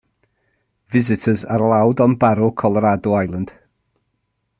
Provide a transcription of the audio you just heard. Visitors are allowed on Barro Colorado Island.